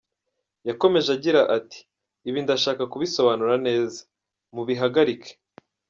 Yakomeje agira ati “Ibi ndashaka kubisobanura neza, mubihagarike.